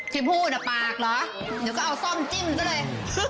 ที่พูดอ่ะปากเหรอเดี๋ยวก็เอาซ่อมจิ้มซะเลย